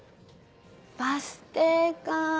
バス停か。